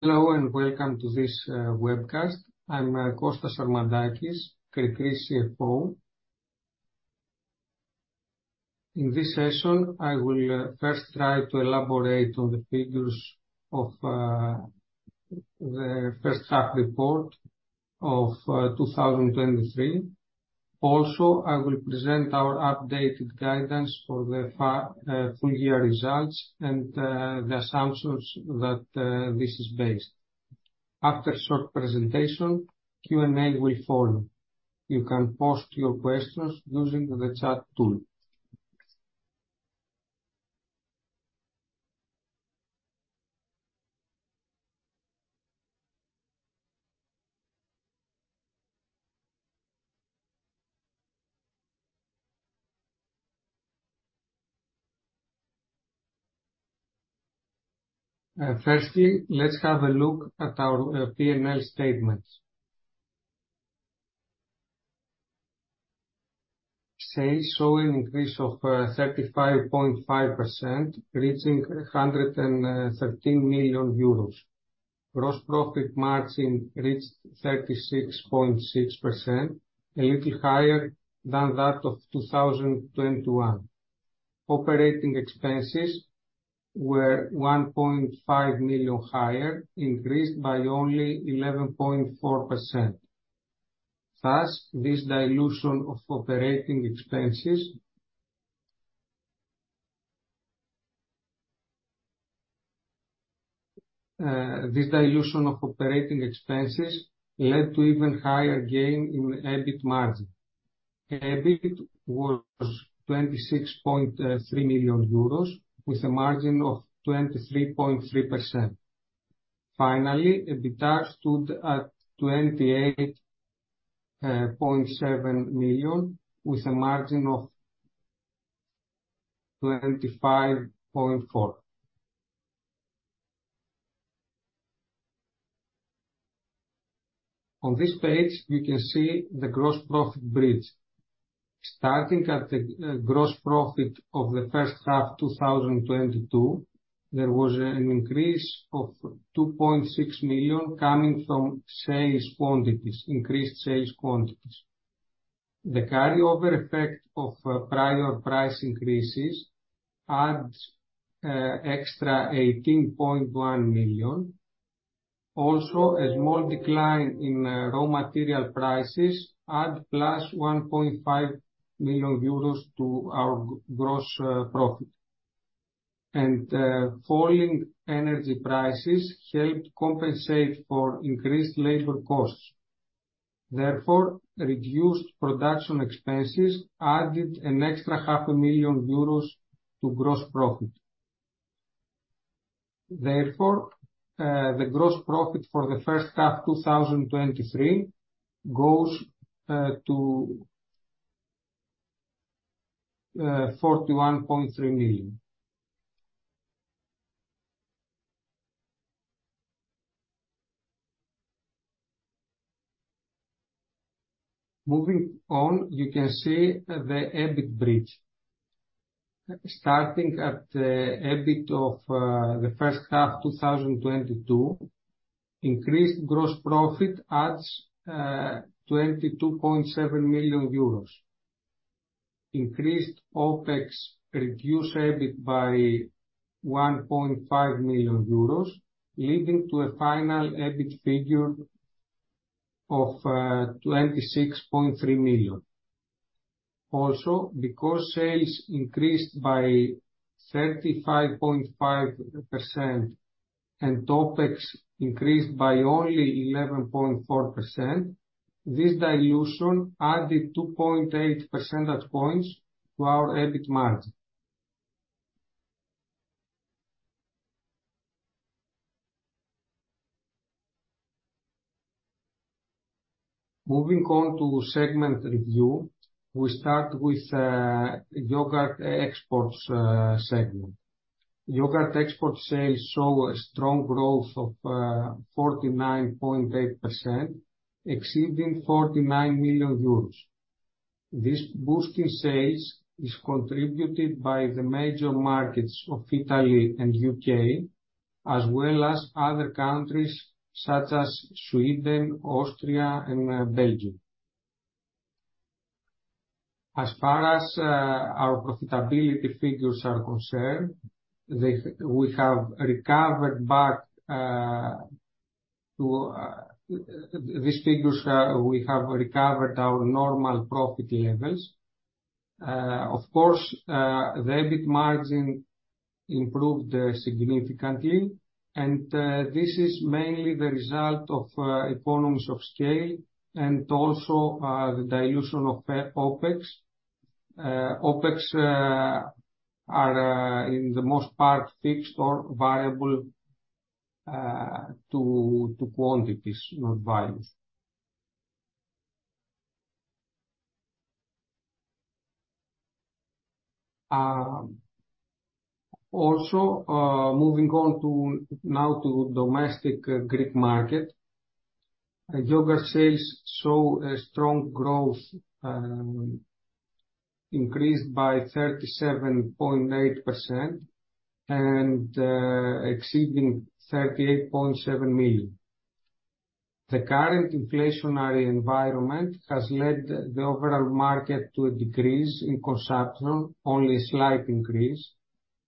Hello, and welcome to this webcast. I'm Kostas Sarmadakis, Kri Kri CFO. In this session, I will first try to elaborate on the figures of the first half report of 2023. Also, I will present our updated guidance for the full year results and the assumptions that this is based. After short presentation, Q&A will follow. You can post your questions using the chat tool. Firstly, let's have a look at our P&L statements. Sales show an increase of 35.5%, reaching 113 million euros. Gross profit margin reached 36.6%, a little higher than that of 2021. Operating expenses were 1.5 million higher, increased by only 11.4%. Thus, this dilution of operating expenses led to even higher gain in EBIT margin. EBIT was 26.3 million euros, with a margin of 23.3%. Finally, EBITDA stood at 28.7 million, with a margin of 25.4%. On this page, you can see the gross profit bridge. Starting at the gross profit of the first half 2022, there was an increase of 2.6 million coming from sales quantities, increased sales quantities. The carryover effect of prior price increases adds extra 18.1 million. Also, a small decline in raw material prices add plus 1.5 million euros to our gross profit. And falling energy prices helped compensate for increased labor costs. Therefore, reduced production expenses added an extra 0.5 million euros to gross profit. Therefore, the gross profit for the first half 2023 goes to EUR 41.3 million. Moving on, you can see the EBIT bridge. Starting at the EBIT of the first half 2022, increased gross profit adds 22.7 million euros. Increased OpEx reduce EBIT by 1.5 million euros, leading to a final EBIT figure of 26.3 million. Also, because sales increased by 35.5%, and OpEx increased by only 11.4%, this dilution added 2.8 percentage points to our EBIT margin. Moving on to segment review, we start with yogurt exports segment. Yogurt export sales saw a strong growth of 49.8%, exceeding 49 million euros. This boost in sales is contributed by the major markets of Italy and U.K., as well as other countries such as Sweden, Austria, and Belgium. As far as our profitability figures are concerned, we have recovered back to. These figures are, we have recovered our normal profit levels. Of course, the EBIT margin improved significantly, and this is mainly the result of economies of scale and also the dilution of OpEx. OpEx are in the most part fixed or variable to quantities, not values. Also, moving on to domestic Greek market. Yogurt sales show a strong growth, increased by 37.8%, and exceeding 38.7 million. The current inflationary environment has led the overall market to a decrease in consumption, only a slight increase,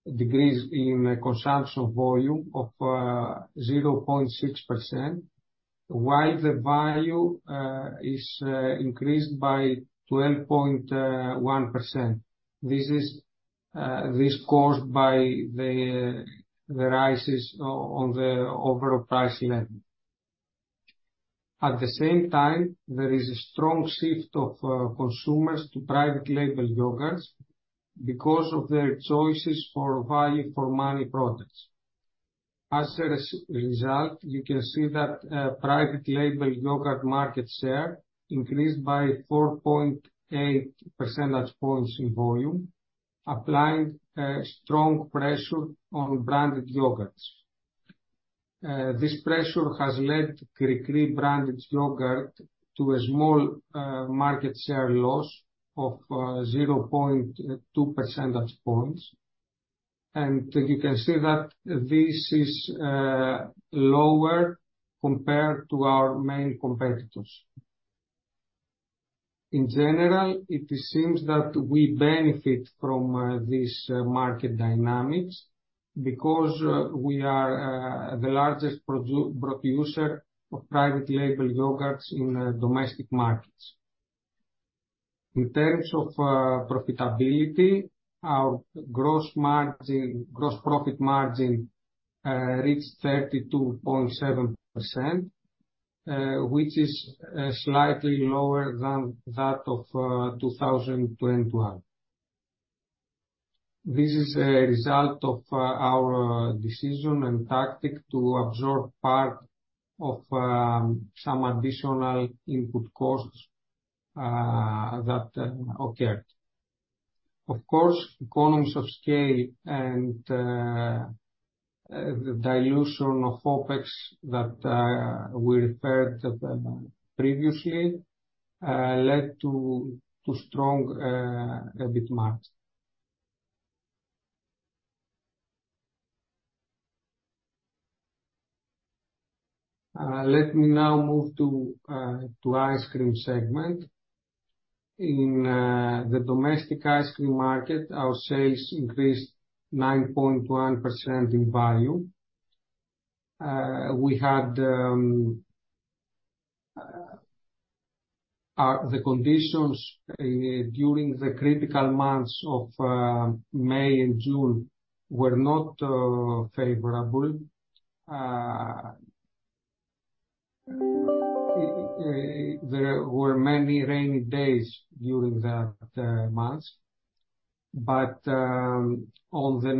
a decrease in the consumption volume of 0.6%, while the value is increased by 12.1%. This is caused by the rises on the overall price level. At the same time, there is a strong shift of consumers to private label yogurts because of their choices for value-for-money products. As a result, you can see that private label yogurt market share increased by 4.8 percentage points in volume, applying strong pressure on branded yogurts. This pressure has led Kri Kri branded yogurt to a small market share loss of 0.2 percentage points. And you can see that this is lower compared to our main competitors. In general, it seems that we benefit from this market dynamics because we are the largest producer of private label yogurts in domestic markets. In terms of profitability, our gross profit margin reached 32.7%, which is slightly lower than that of 2021. This is a result of our decision and tactic to absorb part of some additional input costs that occurred. Of course, economies of scale and the dilution of OpEx that we referred to previously led to strong EBIT margin. Let me now move to the ice cream segment. In the domestic ice cream market, our sales increased 9.1% in value. We had the conditions during the critical months of May and June were not favorable. There were many rainy days during that months, but on the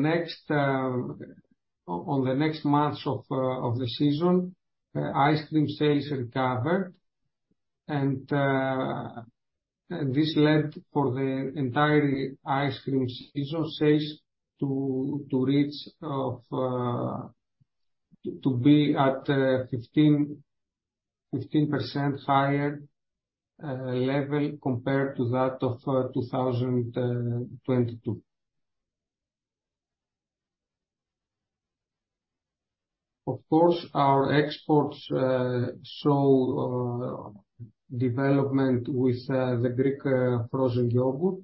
next months of the season, ice cream sales recovered, and this led for the entire ice cream season sales to be at 15% higher level compared to that of 2022. Of course, our exports saw development with the Greek frozen yogurt.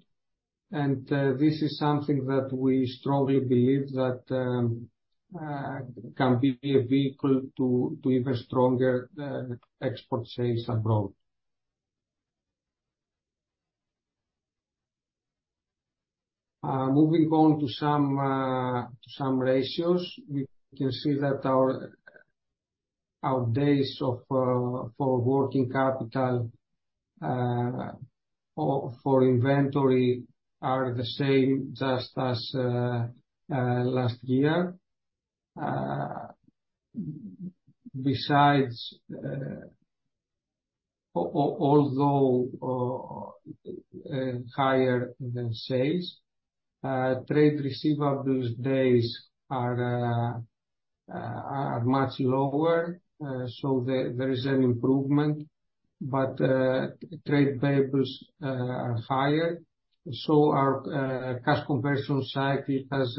And this is something that we strongly believe that can be a vehicle to even stronger export sales abroad. Moving on to some ratios. You can see that our days of for working capital or for inventory are the same just as last year. Besides, although higher than sales, trade receivables days are much lower. So there is an improvement, but trade payables are higher, so our cash conversion cycle has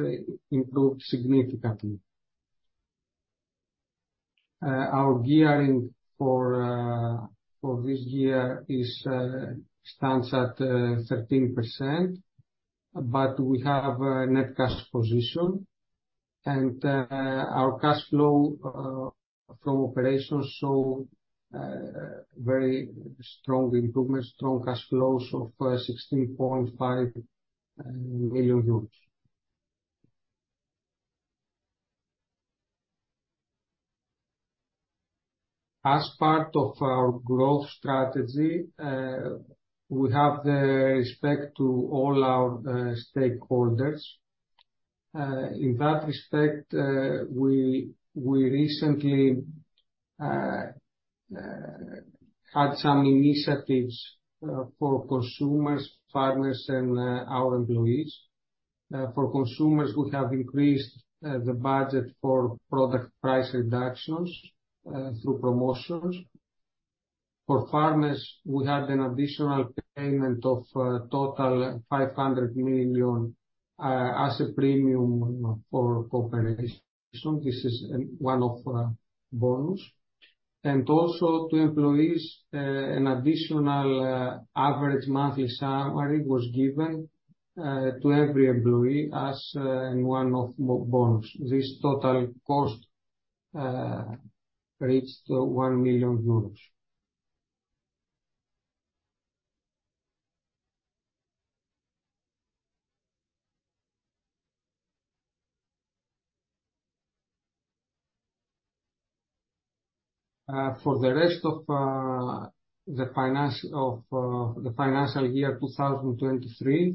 improved significantly. Our gearing for this year stands at 13%, but we have a net cash position, and our cash flow from operations show very strong improvement, strong cash flows of 16.5 million euros. As part of our growth strategy, we have the respect to all our stakeholders. In that respect, we recently had some initiatives for consumers, partners, and our employees. For consumers, we have increased the budget for product price reductions through promotions. For farmers, we had an additional payment of total 500,000 as a premium for cooperation. This is one-off bonus. And also to employees, an additional average monthly salary was given to every employee as a one-off bonus. This total cost reached EUR 1 million. For the rest of the financial year 2023,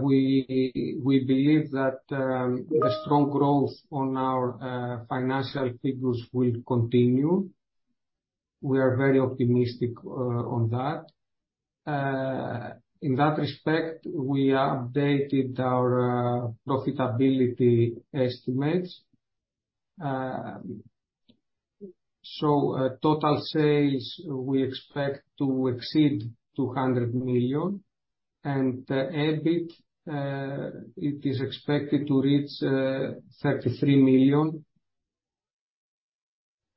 we believe that the strong growth on our financial figures will continue. We are very optimistic on that. In that respect, we have updated our profitability estimates. So, total sales, we expect to exceed 200 million, and the EBIT, it is expected to reach 33 million,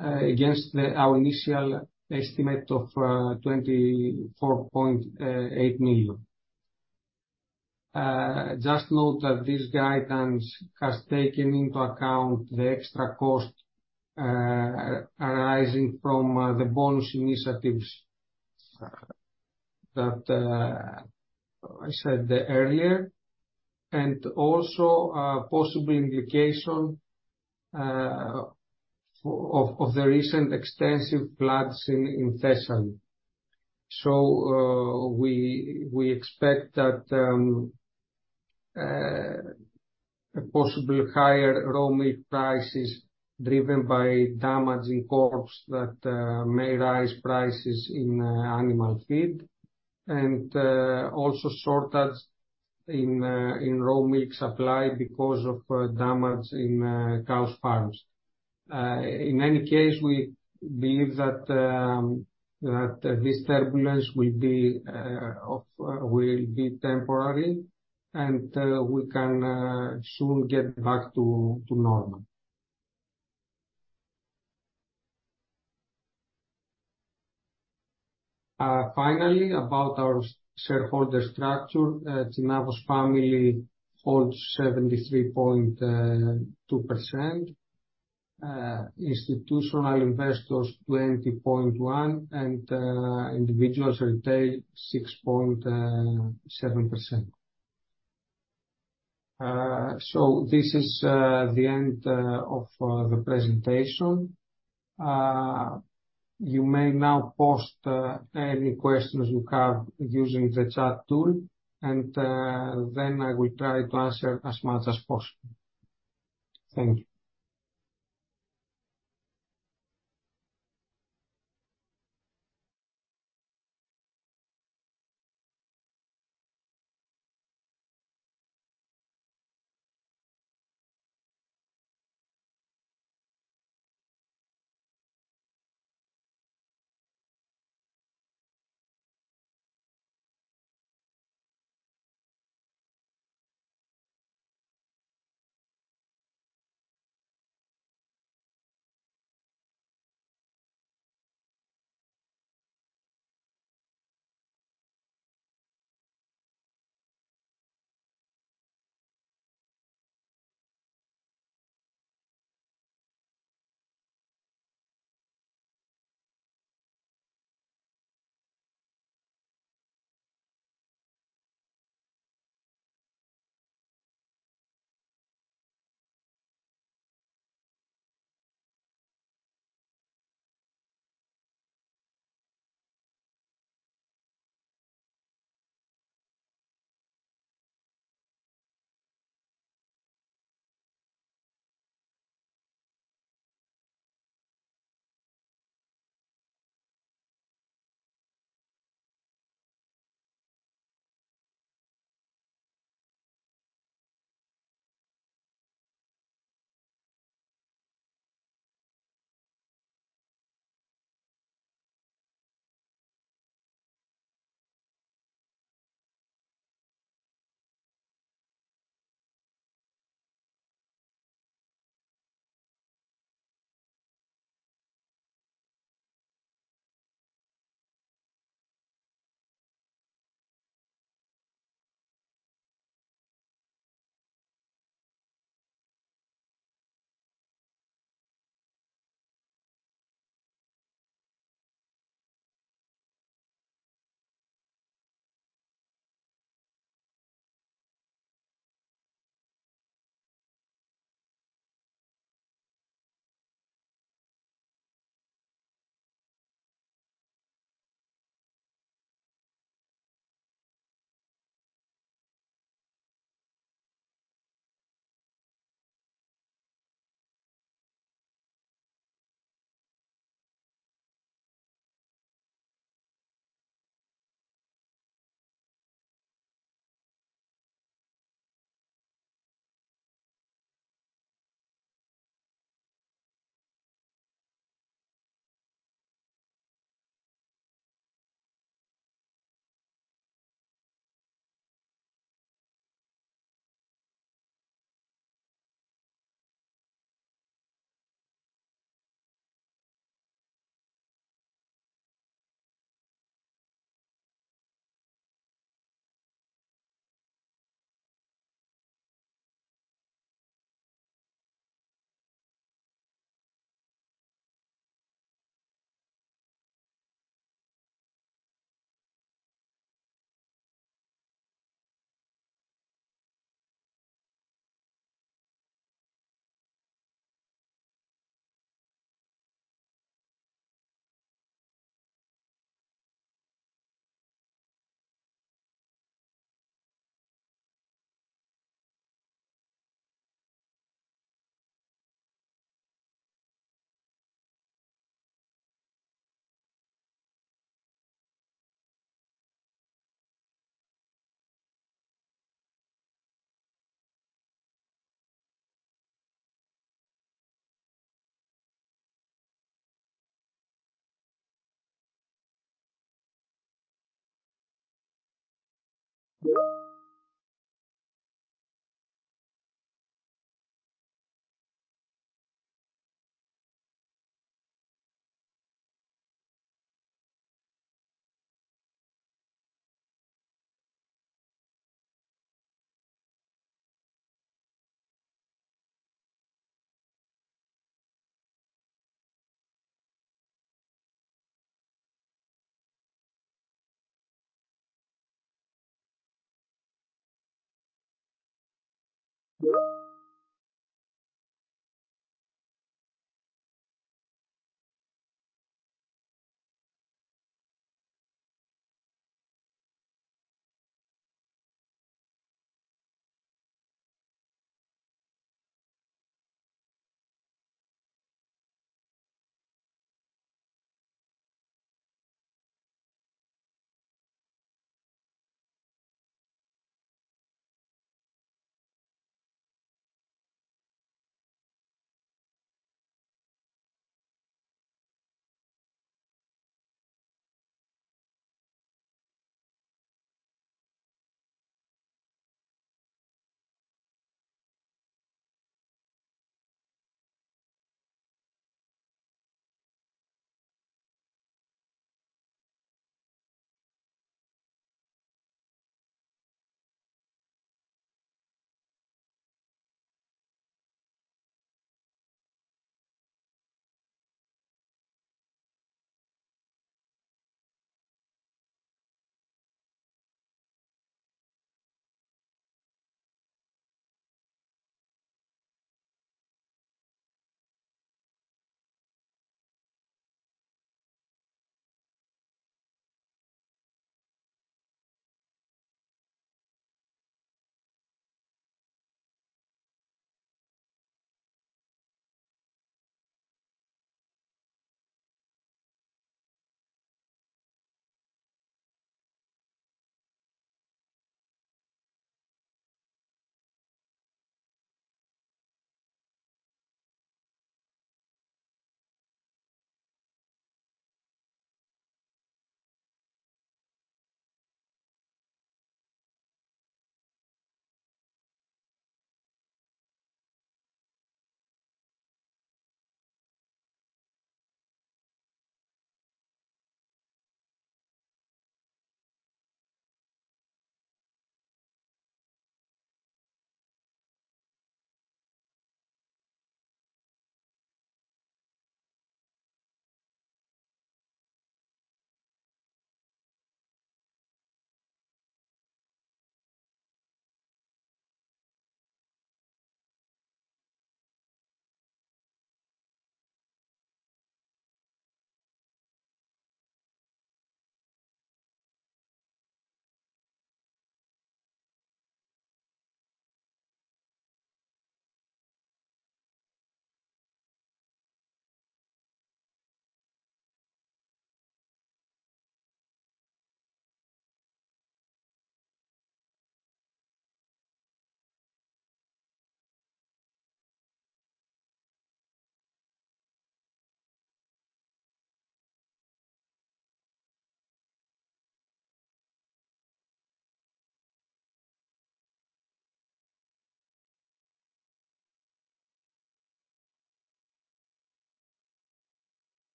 against our initial estimate of 24.8 million. Just note that this guidance has taken into account the extra cost arising from the bonus initiatives that I said earlier, and also possible implication of the recent extensive floods in Thessaly. So, we expect that a possibly higher raw milk prices driven by damage in crops that may rise prices in animal feed, and also shortage in raw milk supply because of damage in cow's farms. In any case, we believe that this turbulence will be of-- will be temporary, and we can soon get back to normal. Finally, about our shareholder structure, Tsinavos family holds 73.2%, institutional investors 20.1%, and individuals retail 6.7%. So this is the end of the presentation. You may now post any questions you have using the chat tool, and then I will try to answer as much as possible. Thank you.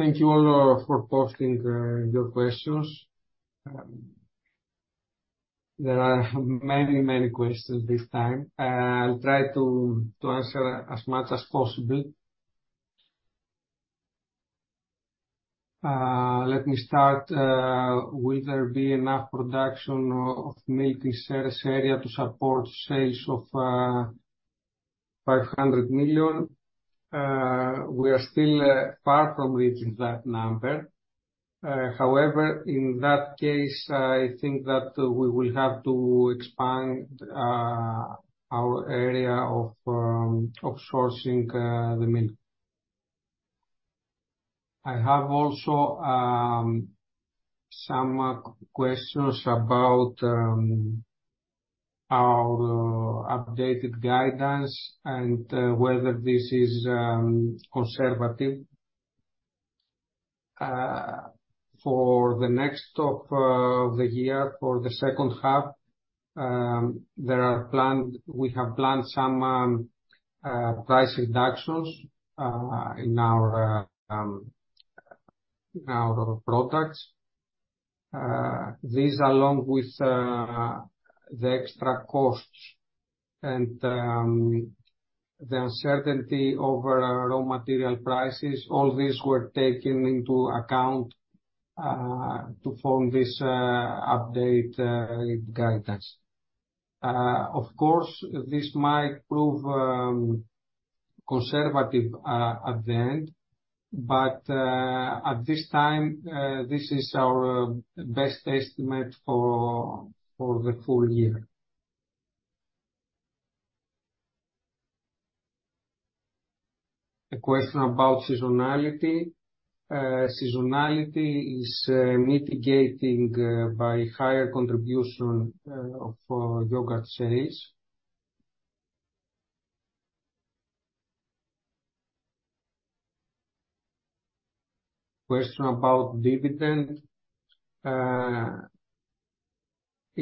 Thank you all for posting your questions. There are many, many questions this time. I'll try to answer as much as possible. Let me start, will there be enough production of milk in Serres area to support sales of 500 million? We are still far from reaching that number. However, in that case, I think that we will have to expand our area of sourcing the milk. I have also some questions about our updated guidance and whether this is conservative. For the next of the year, for the second half, we have planned some price reductions in our products. These, along with the extra costs and the uncertainty over raw material prices, all these were taken into account to form this update guidance. Of course, this might prove conservative at the end, but at this time this is our best estimate for the full year. A question about seasonality. Seasonality is mitigating by higher contribution of yogurt sales. Question about dividend.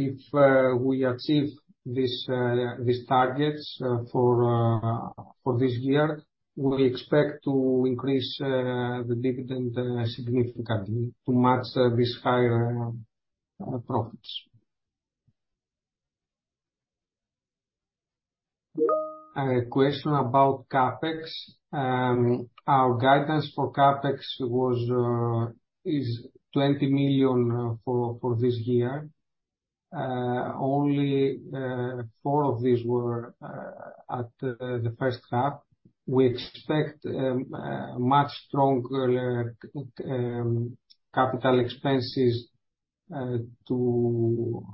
If we achieve these targets for this year, we expect to increase the dividend significantly to match these higher profits. A question about CapEx. Our guidance for CapEx was is 20 million for this year. Only 4 million of these were at the first half. We expect much stronger capital expenses to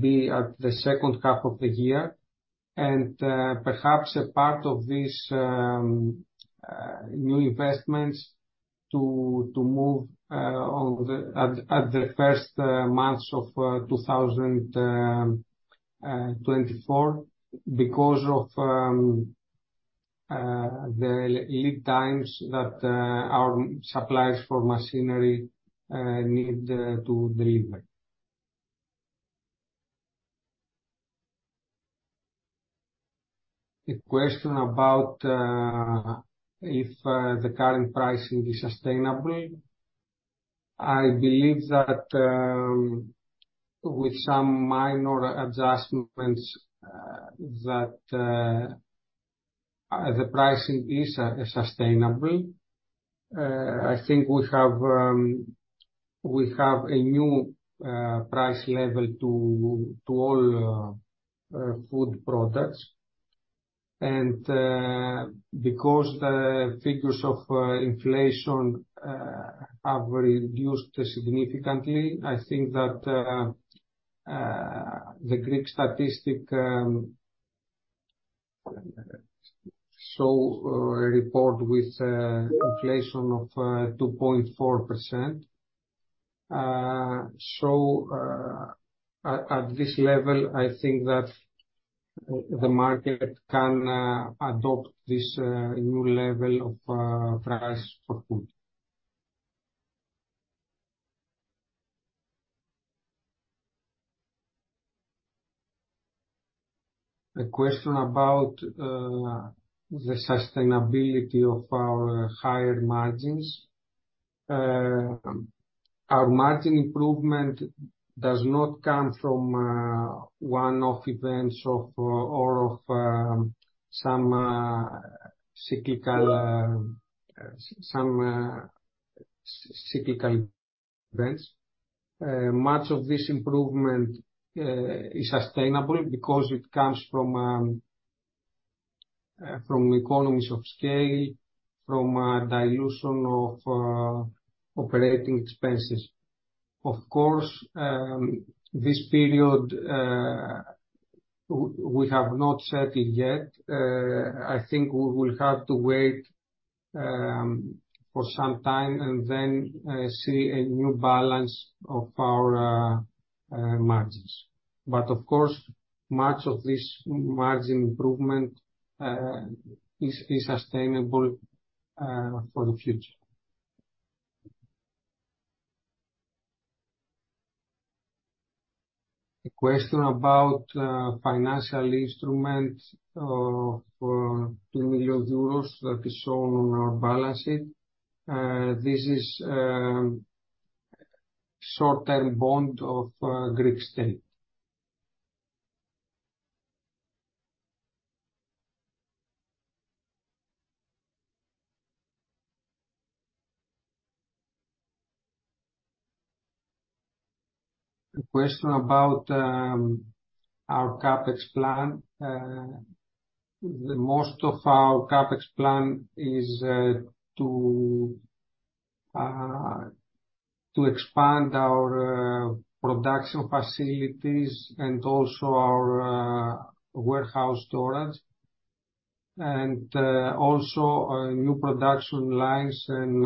be at the second half of the year, and perhaps a part of this new investments to move on to the first months of 2024, because of the lead times that our suppliers for machinery need to deliver. A question about if the current pricing is sustainable. I believe that with some minor adjustments that the pricing is sustainable. I think we have a new price level to all food products, and because the figures of inflation have reduced significantly, I think that the Greek statistic report with inflation of 2.4%. So at this level, I think that the market can adopt this new level of price for food. A question about the sustainability of our higher margins. Our margin improvement does not come from one-off events or some cyclical events. Much of this improvement is sustainable because it comes from economies of scale, from dilution of operating expenses. Of course, this period we have not set it yet. I think we will have to wait for some time and then see a new balance of our margins. But of course, much of this margin improvement is sustainable for the future. A question about financial instrument of 2 million euros that is shown on our balance sheet. This is short-term bond of Greek State. A question about our CapEx plan. The most of our CapEx plan is to expand our production facilities and also our warehouse storage, and also new production lines and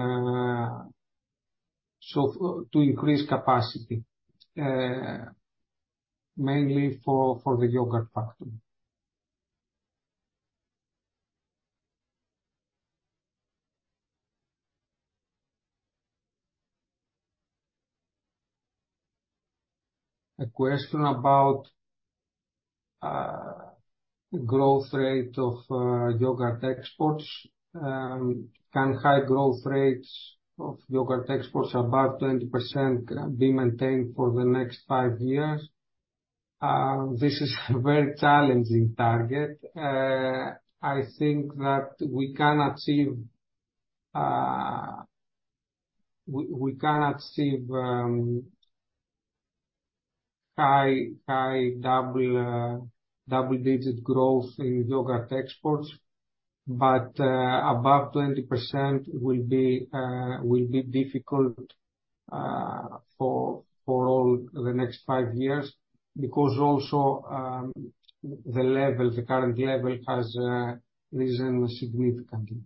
to increase capacity mainly for the yogurt factory. A question about growth rate of yogurt exports. Can high growth rates of yogurt exports, about 20%, be maintained for the next five years? This is a very challenging target. I think that we can achieve high double-digit growth in yogurt exports but above 20% will be difficult for all the next five years, because also the current level has risen significantly.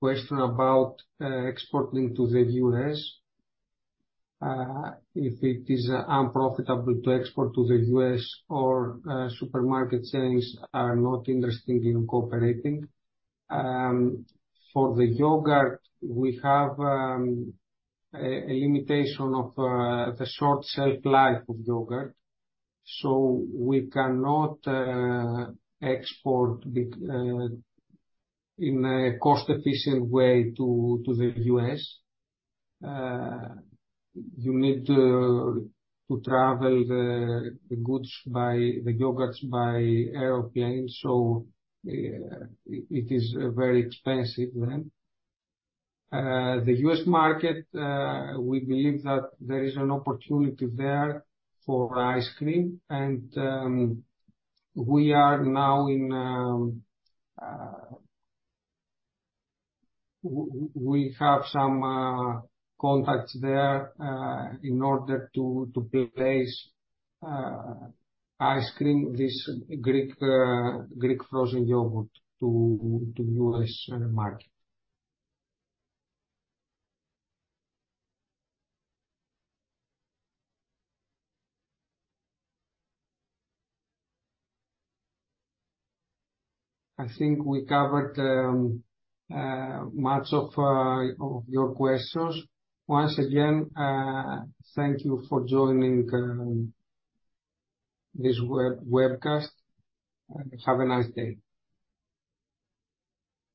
Question about exporting to the U.S. If it is unprofitable to export to the U.S. or supermarket chains are not interested in cooperating. For the yogurt, we have a limitation of the short shelf life of yogurt, so we cannot export in a cost efficient way to the U.S. You need to travel the goods, the yogurts, by airplane, so it is very expensive then. The U.S. market, we believe that there is an opportunity there for ice cream, and we have some contacts there in order to place ice cream, this Greek frozen yogurt to U.S. market. I think we covered much of your questions. Once again, thank you for joining this webcast, and have a nice day.